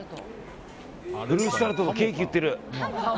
フルーツタルトのケーキ売ってる。